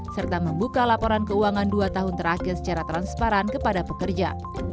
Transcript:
serta membuka laporan keuangan dua tahun terakhir secara transparan kepada pekerja